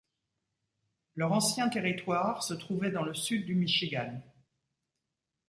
Leur ancien territoire se trouvait dans le sud du Michigan.